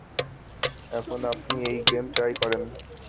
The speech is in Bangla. এখন আপনি এই গেম ট্রাই করেন।